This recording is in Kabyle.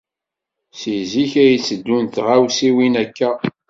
Seg zik ay tteddun tɣawsiwin akka.